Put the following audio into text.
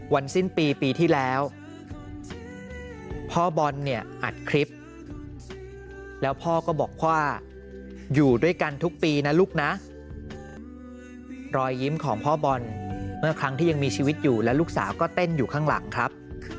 สิ้นปีปีที่แล้วพ่อบอลเนี่ยอัดคลิปแล้วพ่อก็บอกว่าอยู่ด้วยกันทุกปีนะลูกนะรอยยิ้มของพ่อบอลเมื่อครั้งที่ยังมีชีวิตอยู่และลูกสาวก็เต้นอยู่ข้างหลังครับ